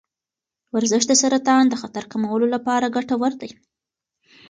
ورزش د سرطان د خطر کمولو لپاره ګټور دی.